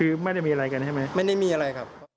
คือไม่ได้มีอะไรกันใช่ไหมไม่ได้มีอะไรครับ